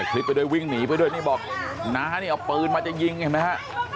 คลิปไปด้วยวิ่งหนีไปด้วยนี่บอกน้านี่เอาปืนมาจะยิงเห็นไหมฮะ